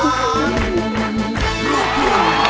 ได้อย่างเท่าไหร่